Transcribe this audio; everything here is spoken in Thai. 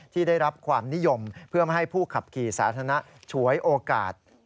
ที่ได้รับความนิยมเพื่อไม่ให้ผู้ขับขี่สาธารณะฉวยโอกาส